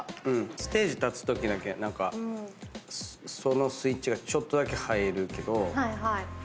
ステージ立つときだけそのスイッチがちょっとだけ入るけど。